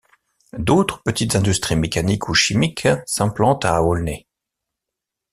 D’autres petites industries mécaniques ou chimiques s’implantent à Aulnay.